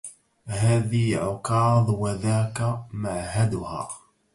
هذي عكاظ وذاك معهدها